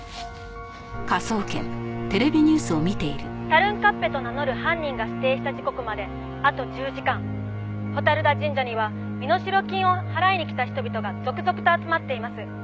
「タルンカッペと名乗る犯人が指定した時刻まであと１０時間」「蛍田神社には身代金を払いに来た人々が続々と集まっています。